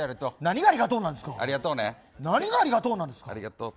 何がありがとう何ですか？